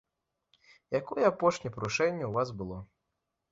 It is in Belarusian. Якое апошняе парушэнне ў вас было?